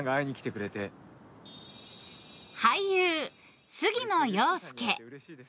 俳優・杉野遥亮。